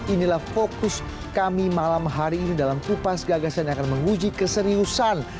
inilah fokus kami malam hari ini dalam kupas gagasan yang akan menguji keseriusan